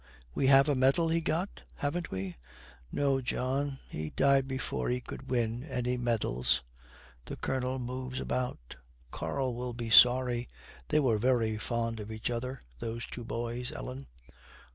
We have a medal he got, haven't we?' 'No, John; he died before he could win any medals.' The Colonel moves about, 'Karl will be sorry. They were very fond of each other, those two boys, Ellen.'